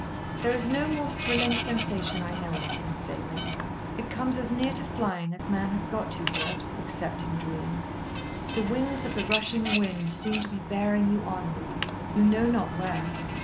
There is no more thrilling sensation I know of than sailing. It comes as near to flying as man has got to yet—except in dreams. The wings of the rushing wind seem to be bearing you onward, you know not where.